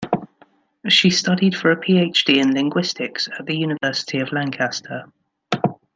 She studied for a PhD in linguistics at the University of Lancaster.